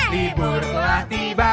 libur telah tiba